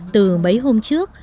từ mấy hôm trước